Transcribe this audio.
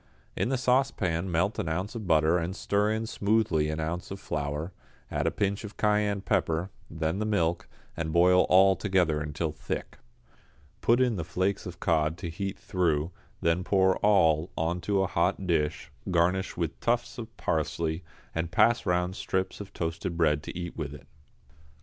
In the saucepan melt an ounce of butter and stir in smoothly an ounce of flour, add a pinch of cayenne pepper, then the milk, and boil all together until thick. Put in the flakes of cod to heat through, then pour all on to a hot dish, garnish with tufts of parsley, and pass round strips of toasted bread to eat with it.